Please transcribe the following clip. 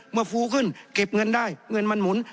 ฟูขึ้นเก็บเงินได้เงินมันหมุน